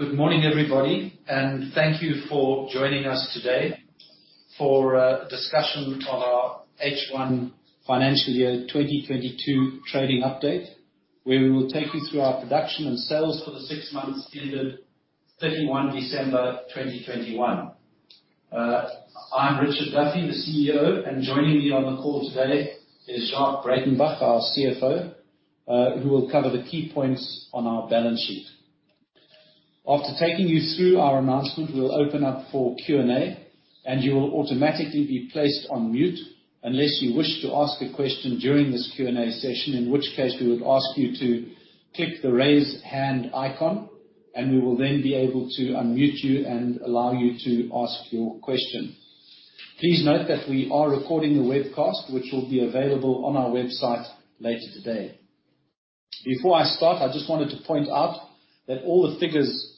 Good morning, everybody, and thank you for joining us today for a discussion of our H1 FY 2022 trading update, where we will take you through our production and sales for the six months ending 31 December 2021. I'm Richard Duffy, the CEO, and joining me on the call today is Jacques Breytenbach, our CFO, who will cover the key points on our balance sheet. After taking you through our announcement, we'll open up for Q&A, and you will automatically be placed on mute unless you wish to ask a question during this Q&A session, in which case we would ask you to click the Raise Hand icon, and we will then be able to unmute you and allow you to ask your question. Please note that we are recording the webcast, which will be available on our website later today. Before I start, I just wanted to point out that all the figures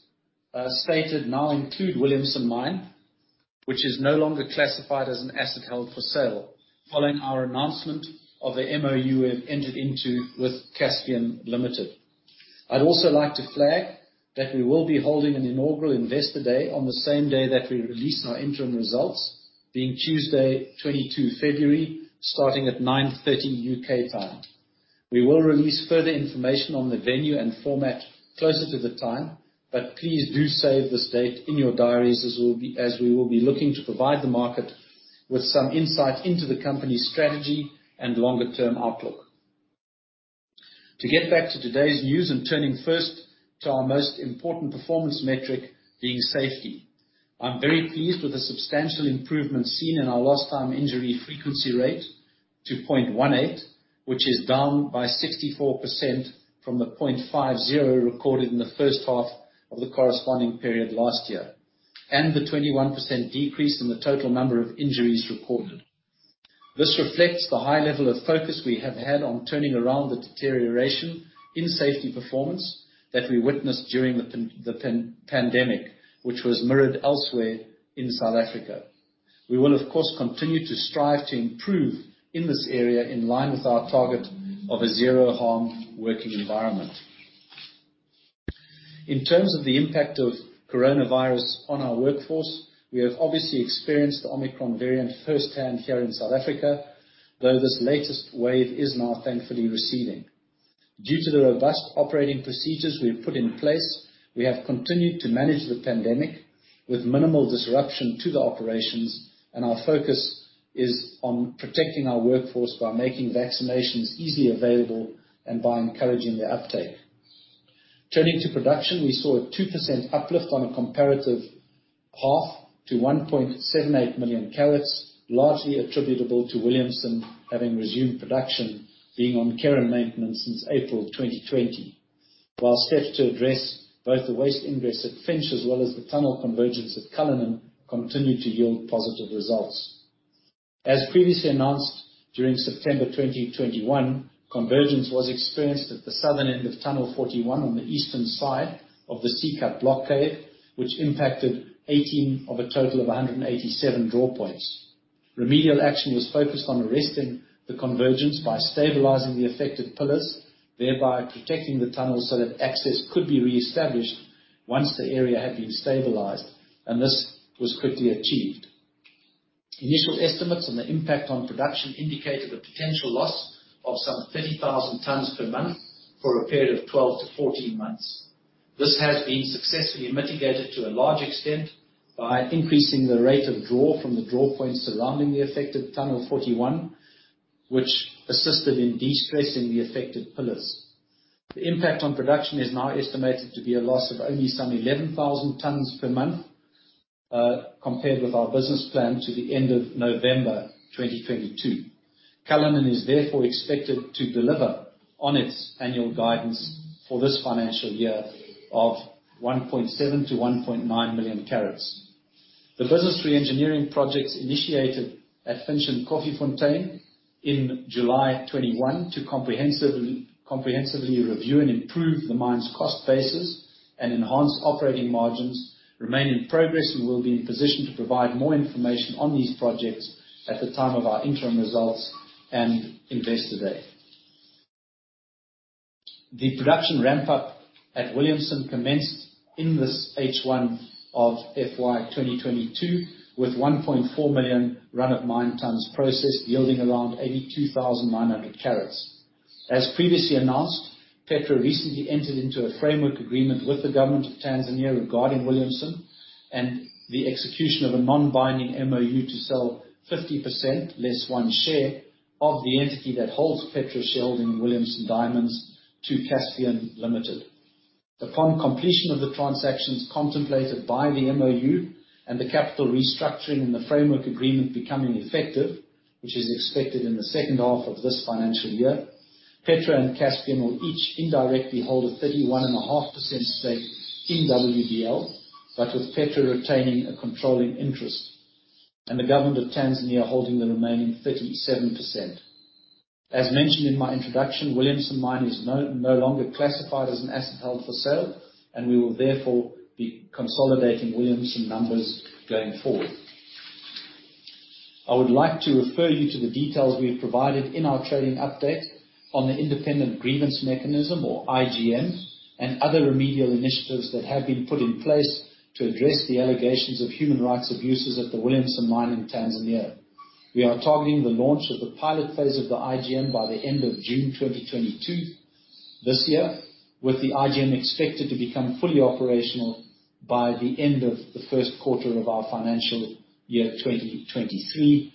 stated now include Williamson Mine, which is no longer classified as an asset held for sale following our announcement of the MoU we have entered into with Caspian Limited. I'd also like to flag that we will be holding an inaugural Investor Day on the same day that we release our interim results, being Tuesday, 22 February, starting at 9:30 A.M. U.K. time. We will release further information on the venue and format closer to the time, but please do save this date in your diaries as we will be looking to provide the market with some insight into the company's strategy and longer-term outlook. To get back to today's news and turning first to our most important performance metric being safety. I'm very pleased with the substantial improvement seen in our lost time injury frequency rate to 0.18, which is down by 64% from the 0.50 recorded in the first half of the corresponding period last year, and the 21% decrease in the total number of injuries recorded. This reflects the high level of focus we have had on turning around the deterioration in safety performance that we witnessed during the pandemic, which was mirrored elsewhere in South Africa. We will, of course, continue to strive to improve in this area in line with our target of a zero harm working environment. In terms of the impact of coronavirus on our workforce, we have obviously experienced the Omicron variant firsthand here in South Africa, though this latest wave is now thankfully receding. Due to the robust operating procedures we have put in place, we have continued to manage the pandemic with minimal disruption to the operations, and our focus is on protecting our workforce by making vaccinations easily available and by encouraging their uptake. Turning to production, we saw a 2% uplift on a comparative half to 1.78ct million, largely attributable to Williamson having resumed production after being on care and maintenance since April 2020. While steps to address both the waste ingress at Finsch as well as the tunnel convergence at Cullinan continue to yield positive results. As previously announced during September 2021, convergence was experienced at the southern end of Tunnel 41 on the eastern side of the C-Cut block cave, which impacted 18 of a total of 187 draw points. Remedial action was focused on arresting the convergence by stabilizing the affected pillars, thereby protecting the tunnel so that access could be reestablished once the area had been stabilized, and this was quickly achieved. Initial estimates on the impact on production indicated a potential loss of some 30,000 tonnes per month for a period of 12-14 months. This has been successfully mitigated to a large extent by increasing the rate of draw from the draw points surrounding the affected Tunnel 41, which assisted in de-stressing the affected pillars. The impact on production is now estimated to be a loss of only some 11,000t per month, compared with our business plan to the end of November 2022. Cullinan is therefore expected to deliver on its annual guidance for this financial year of 1.7ct million-1.9ct million. The business reengineering projects initiated at Finsch and Koffiefontein in July 2021 to comprehensively review and improve the mine's cost basis and enhance operating margins remain in progress. We will be in position to provide more information on these projects at the time of our interim results and investor day. The production ramp up at Williamson commenced in this H1 of FY 2022 with 1.4t million run-of-mine processed, yielding around 82,900ct. As previously announced, Petra recently entered into a framework agreement with the Government of Tanzania regarding Williamson and the execution of a non-binding MoU to sell 50% less one share of the entity that holds Petra's shareholding in Williamson Diamonds to Caspian Limited. Upon completion of the transactions contemplated by the MoU and the capital restructuring and the framework agreement becoming effective, which is expected in the second half of this financial year, Petra and Caspian will each indirectly hold a 31.5% stake in WDL, but with Petra retaining a controlling interest and the Government of Tanzania holding the remaining 37%. As mentioned in my introduction, Williamson Mine is no longer classified as an asset held for sale, and we will therefore be consolidating Williamson numbers going forward. I would like to refer you to the details we have provided in our trading update on the independent grievance mechanism or IGEM and other remedial initiatives that have been put in place to address the allegations of human rights abuses at the Williamson Mine in Tanzania. We are targeting the launch of the pilot phase of the IGEM by the end of June 2022 this year, with the IGEM expected to become fully operational by the end of the first quarter of our financial year 2023.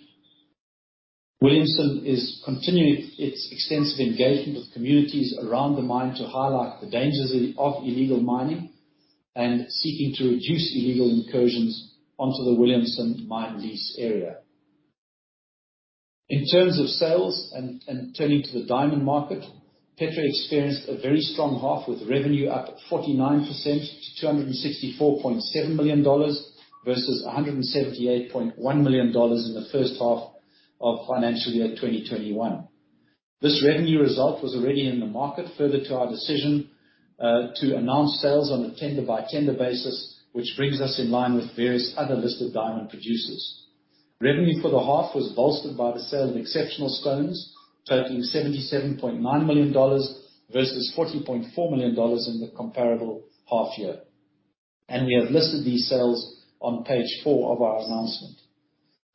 Williamson is continuing its extensive engagement with communities around the mine to highlight the dangers of illegal mining and seeking to reduce illegal incursions onto the Williamson mine lease area. In terms of sales and turning to the diamond market, Petra experienced a very strong half with revenue up 49% to $264.7 million versus $178.1 million in the first half of financial year 2021. This revenue result was already in the market further to our decision to announce sales on a tender-by-tender basis, which brings us in line with various other listed diamond producers. Revenue for the half was bolstered by the sale of exceptional stones totaling $77.9 million versus $40.4 million in the comparable half year. We have listed these sales on page four of our announcement.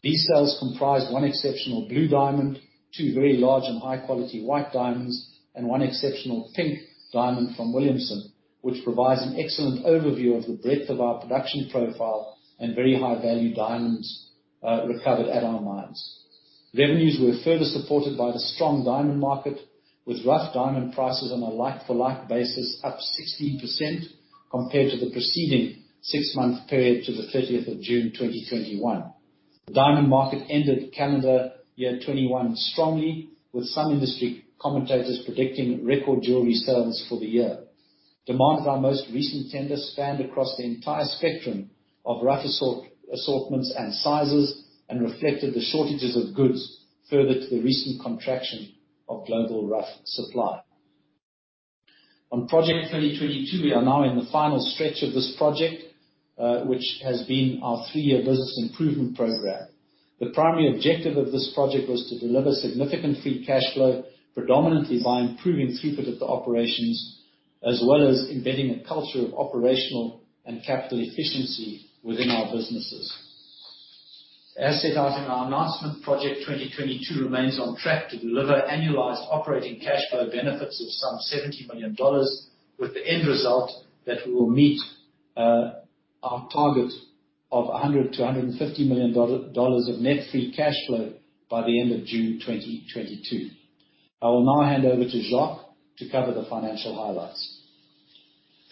These sales comprise one exceptional blue diamond, two very large and high-quality white diamonds, and one exceptional pink diamond from Williamson, which provides an excellent overview of the breadth of our production profile and very high-value diamonds recovered at our mines. Revenues were further supported by the strong diamond market, with rough diamond prices on a like-for-like basis up 16% compared to the preceding six-month period to the 30th of June 2021. The diamond market ended calendar year 2021 strongly, with some industry commentators predicting record jewelry sales for the year. Demand at our most recent tender spanned across the entire spectrum of rough assortments and sizes, and reflected the shortages of goods further to the recent contraction of global rough supply. On Project 2022, we are now in the final stretch of this project, which has been our three-year business improvement program. The primary objective of this project was to deliver significant free cash flow, predominantly by improving throughput of the operations as well as embedding a culture of operational and capital efficiency within our businesses. As set out in our announcement, Project 2022 remains on track to deliver annualized operating cash flow benefits of some $70 million, with the end result that we will meet our target of $100 million-$150 million of net free cash flow by the end of June 2022. I will now hand over to Jacques to cover the financial highlights.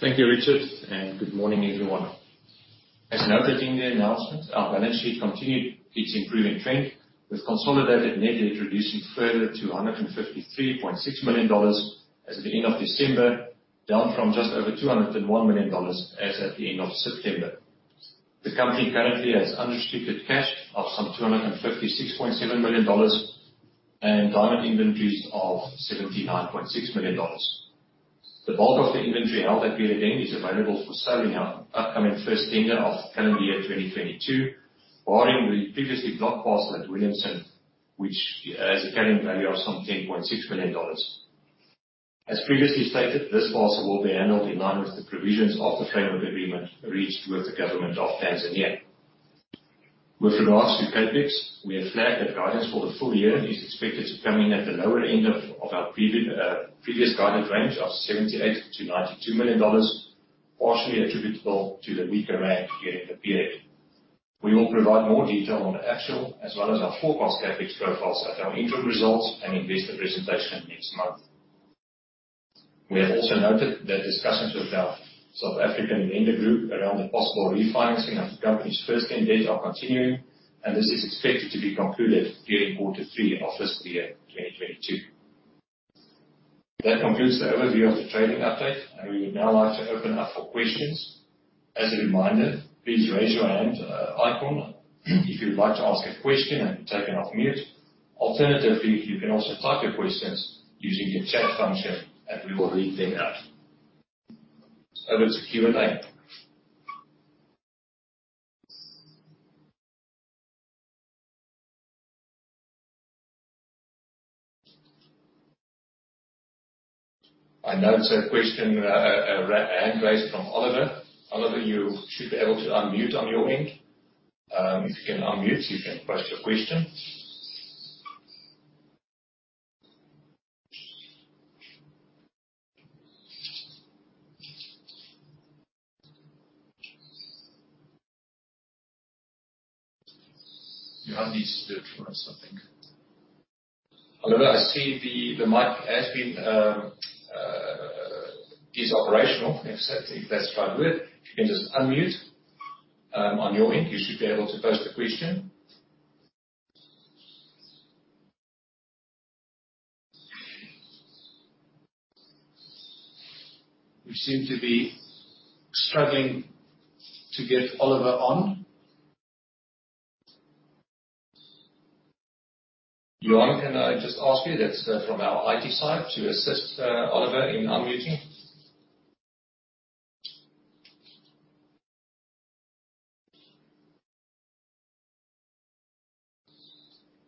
Thank you, Richard, and good morning, everyone. As noted in the announcement, our balance sheet continued its improving trend, with consolidated net debt reducing further to $153.6 million as at the end of December, down from just over $201 million as at the end of September. The company currently has unrestricted cash of some $256.7 million and Diamond inventories of $79.6 million. The bulk of the inventory held at period end is available for sale in our upcoming first tender of calendar year 2022, barring the previously blocked parcel at Williamson, which has a carrying value of some $10.6 million. As previously stated, this parcel will be handled in line with the provisions of the framework agreement reached with the Government of Tanzania. With regards to CapEx, we have flagged that guidance for the full year is expected to come in at the lower end of our previous guidance range of $78 million-$92 million, partially attributable to the weaker rand during the period. We will provide more detail on the actual as well as our forecast CapEx profiles at our interim results and investor presentation next month. We have also noted that discussions with our South African lender group around the possible refinancing of the company's first lien debt are continuing, and this is expected to be concluded during quarter three of this year, 2022. That concludes the overview of the trading update. We would now like to open up for questions. As a reminder, please raise your hand icon if you would like to ask a question and then turn off mute. Alternatively, you can also type your questions using your chat function, and we will read them out. Over to Q&A. I note a question, a hand raised from Oliver. Oliver, you should be able to unmute on your end. If you can unmute, you can pose your question. You have to do it from us, I think. Oliver, I see the mic is operational. Let's try and do it. If you can just unmute on your end, you should be able to pose the question. We seem to be struggling to get Oliver on. Johan, can I just ask you that from our IT side to assist Oliver in unmuting?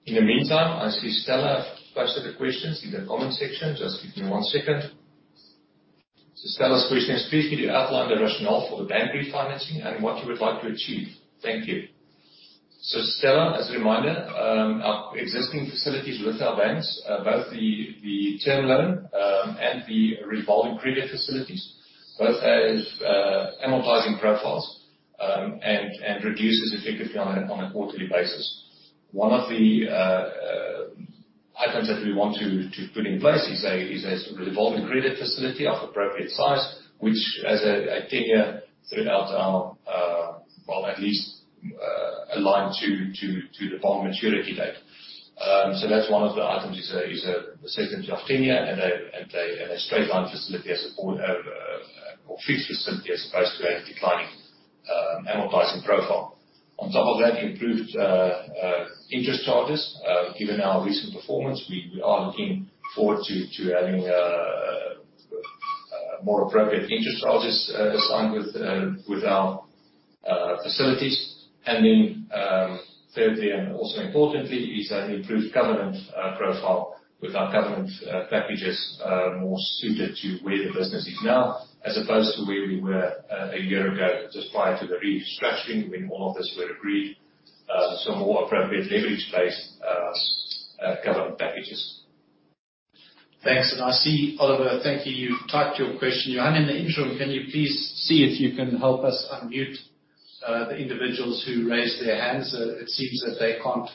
In the meantime, I see Stella posted the questions in the comment section. Just give me one second. Stella's question is, please could you outline the rationale for the bank refinancing and what you would like to achieve? Thank you. Stella, as a reminder, our existing facilities with our banks, both the term loan and the revolving credit facilities, both have amortizing profiles and reduces effectively on a quarterly basis. One of the items that we want to put in place is a revolving credit facility of appropriate size, which has a tenure throughout our. Well, at least, aligned to the bond maturity date. That's one of the items is a certainty of tenure and a straight line facility as opposed or fixed facility as opposed to a declining amortizing profile. On top of that, improved interest charges. Given our recent performance, we are looking forward to having a more appropriate interest charges assigned with our facilities. Thirdly, and also importantly, is an improved covenant profile with our covenant packages, more suited to where the business is now as opposed to where we were a year ago just prior to the restructuring when all of this were agreed. More appropriate leverage-based covenant packages. Thanks. I see Oliver. Thank you. You've typed your question. Johan, in the interim, can you please see if you can help us unmute the individuals who raised their hands? It seems that they can't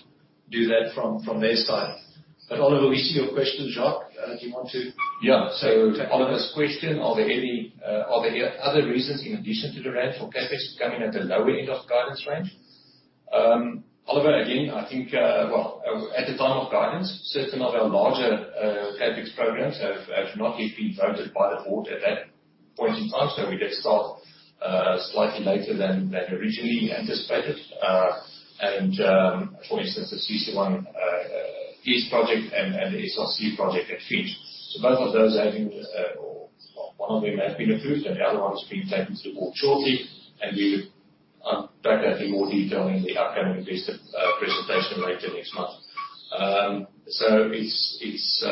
do that from their side. But Oliver, we see your question. To Oliver's question, are there any other reasons in addition to the rand for CapEx coming at the lower end of guidance range? Oliver, again, I think, well, at the time of guidance, certain of our larger CapEx programs have not yet been voted by the board at that point in time. We did start slightly later than originally anticipated. For instance, the CC1 East project and the SLC project at Finsch. Both of those have been, or one of them has been approved and the other one is being taken to the board shortly. We would unpack that in more detail in the upcoming investor presentation later next month. It's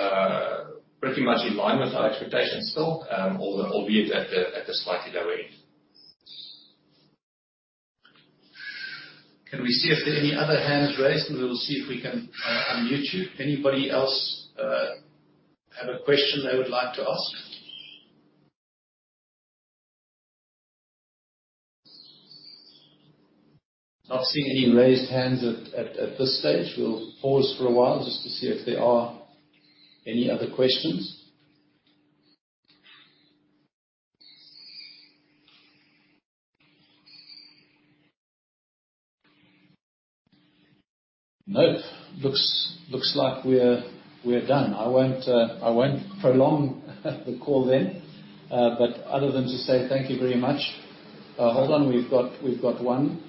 pretty much in line with our expectations still, albeit at the slightly lower end. Can we see if there are any other hands raised, and we will see if we can unmute you. Anybody else have a question they would like to ask? Not seeing any raised hands at this stage. We'll pause for a while just to see if there are any other questions. Nope. Looks like we're done. I won't prolong the call then, but other than to say thank you very much. Hold on. We've got one.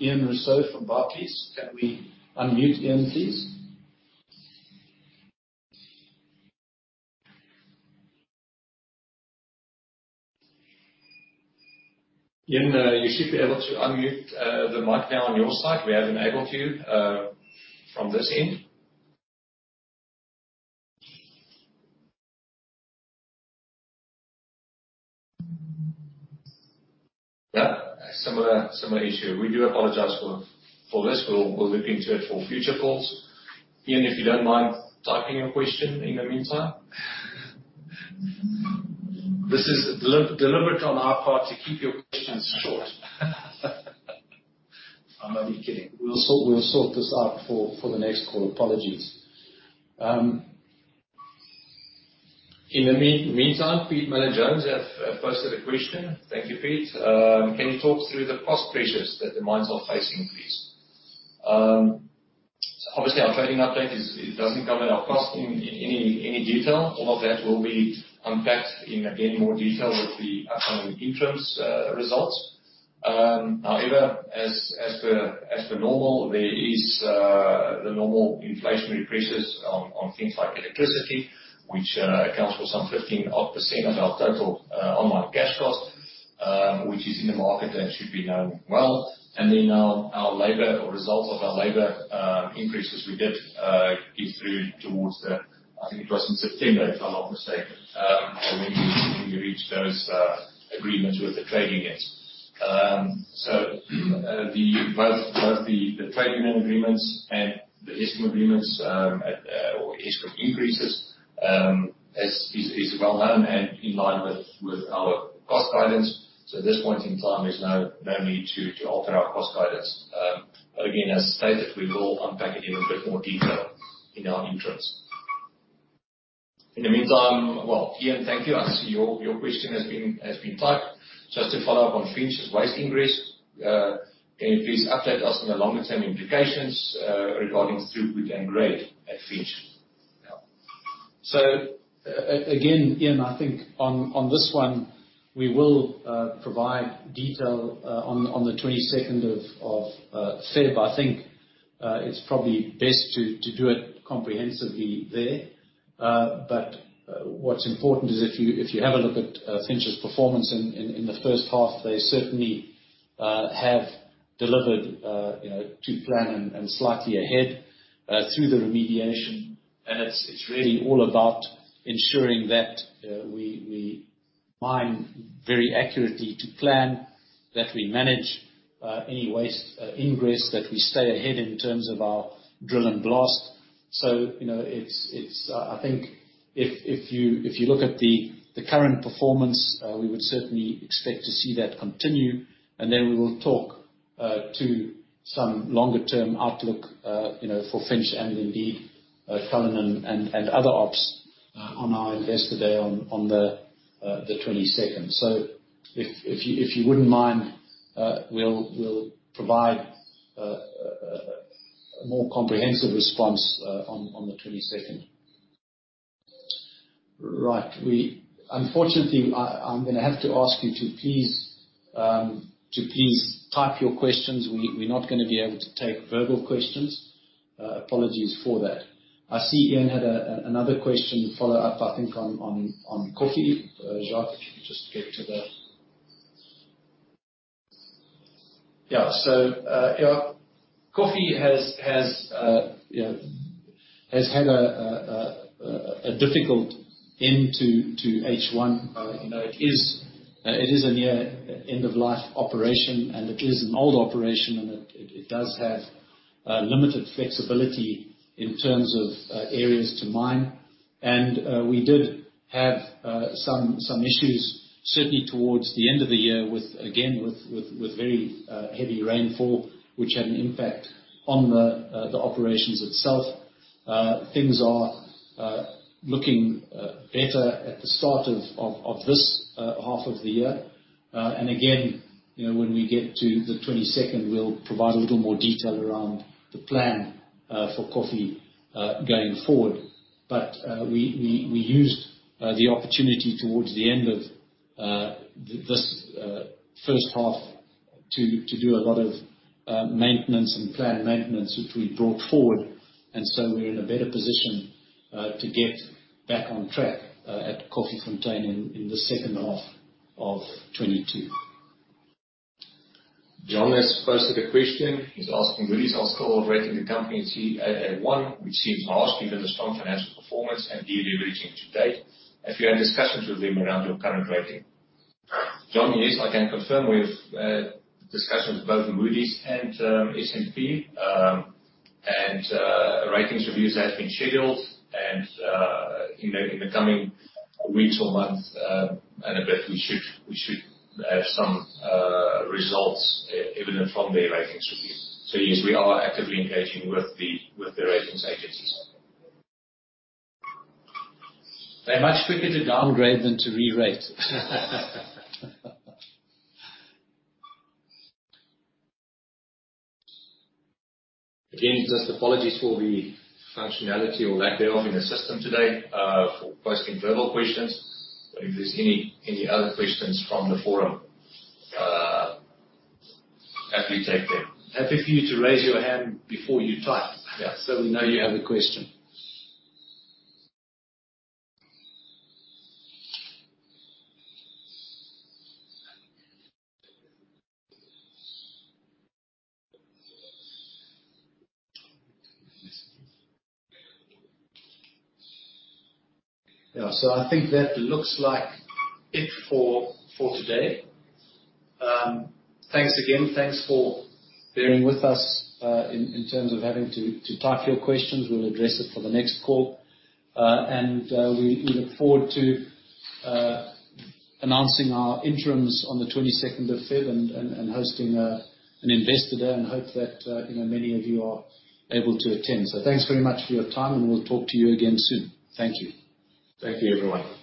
Ian Rossouw from Barclays. Can we unmute Ian, please? Ian, you should be able to unmute the mic now on your side. We have enabled you from this end. Yeah. Similar issue. We do apologize for this. We'll look into it for future calls. Ian, if you don't mind typing your question in the meantime. This is deliberate on our part to keep your questions short. I'm only kidding. We'll sort this out for the next call. Apologies. In the meantime, Peter Mallin-Jones has posted a question. Thank you, Pete. Can you talk through the cost pressures that the mines are facing, please? Obviously our trading update doesn't cover our cost in any detail. All of that will be unpacked in, again, more detail with the upcoming interim results. However, as per normal, there is the normal inflationary pressures on things like electricity, which accounts for some 15 odd% of our total on-mine cash cost, which is in the market and should be known well. Then our labor increases we got through towards the—I think it was in September, if I'm not mistaken, when we reached those agreements with the trade unions. Both the trade union agreements and the Eskom increases is well known and in line with our cost guidance. At this point in time, there's no need to alter our cost guidance. Again, as stated, we will unpack it in a bit more detail in our interims. In the meantime, Ian, thank you. I see your question has been typed. Just to follow up on Finsch's waste ingress, can you please update us on the longer-term implications regarding throughput and grade at Finsch? Again, Ian, I think on this one, we will provide detail on the 22nd of February. I think It's probably best to do it comprehensively there. What's important is if you have a look at Finsch's performance in the first half, they certainly have delivered, you know, to plan and slightly ahead through the remediation. It's really all about ensuring that we mine very accurately to plan, that we manage any waste ingress, that we stay ahead in terms of our drill and blast. You know, it's I think if you look at the current performance, we would certainly expect to see that continue, and then we will talk to some longer term outlook, you know, for Finsch and indeed Cullinan and other ops on our investor day on the twenty-second. If you wouldn't mind, we'll provide a more comprehensive response on the 22nd. Right. Unfortunately, I'm gonna have to ask you to please type your questions. We're not gonna be able to take verbal questions. Apologies for that. I see Ian had another question follow-up, I think on Koffiefontein. Jacques, if you could just get to that. Yeah. Koffiefontein has, you know, had a difficult end to H1. You know, it is a near end-of-life operation, and it does have limited flexibility in terms of areas to mine. We did have some issues certainly towards the end of the year with again very heavy rainfall, which had an impact on the operations itself. Things are looking better at the start of this half of the year. Again, you know, when we get to 2022, we'll provide a little more detail around the plan for Koffiefontein going forward. We used the opportunity towards the end of this first half to do a lot of maintenance and planned maintenance, which we brought forward, and so we're in a better position to get back on track at Koffiefontein in the second half of 2022. John has posted a question. He's asking if Moody's is still rating the company Caa1, which seems harsh given the strong financial performance and deal they're reaching today. Have you had discussions with them around your current rating. John, yes. I can confirm we've had discussions with both Moody's and S&P. Ratings reviews have been scheduled and in the coming weeks or month and a bit, we should have some results evident from their ratings review. Yes, we are actively engaging with the ratings agencies. They're much quicker to downgrade than to rerate. Again, just apologies for the functionality or lack thereof in the system today for posting verbal questions. If there's any other questions from the forum, happy to take them. Happy for you to raise your hand before you type. Yeah. We know you have a question. Yeah. I think that looks like it for today. Thanks again. Thanks for bearing with us in terms of having to type your questions. We'll address it for the next call. We look forward to announcing our interims on the 22nd of February and hosting an investor day and hope that you know many of you are able to attend. Thanks very much for your time, and we'll talk to you again soon. Thank you. Thank you, everyone.